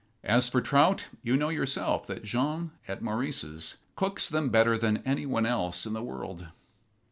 As for trout, you know, yourself, that Jean, at Maurice's, cooks them better than any one else in the world."